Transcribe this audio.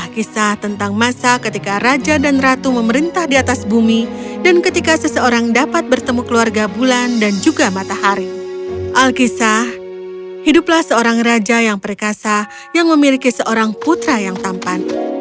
kisah hiduplah seorang raja yang perkasa yang memiliki seorang putra yang tampan